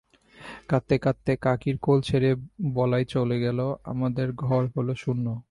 কাঁদতে কাঁদতে কাকির কোল ছেড়ে বলাই চলে গেল, আমাদের ঘর হল শূন্য।